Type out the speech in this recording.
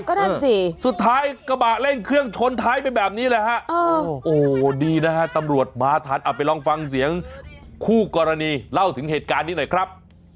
ก็นั่นสิสุดท้ายกระบะเร่งเครื่องชนท้ายไปแบบนี้แหละฮะโอ้โหดีนะฮะตำรวจมาทันเอาไปลองฟังเสียงคู่กรณีเล่าถึงเหตุการณ์นี้หน่อยครับ